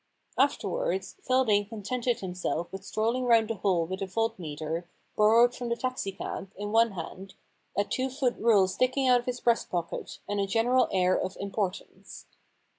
Afterwards Feldane contented himself with strolling round the hole with a voltmeter, borrowed from the taxi cab, in one hand, a two foot rule sticking out of his breast pocket, and a general air of importance.